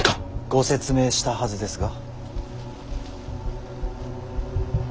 ご説明したはずですが。